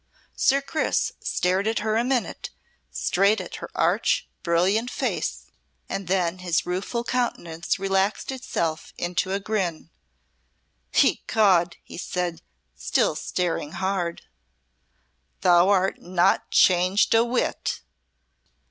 Sir Chris stared at her a minute, straight at her arch, brilliant face, and then his rueful countenance relaxed itself into a grin. "Ecod!" he said, still staring hard, "thou art not changed a whit."